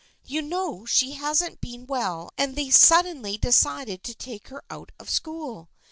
You know she hasn't been well and they suddenly decided to take her out of school.